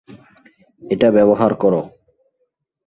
এটা ব্যবহার করো।